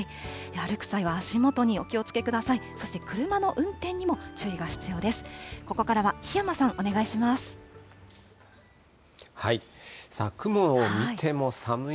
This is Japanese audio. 歩く際は、足元にお気をつけください。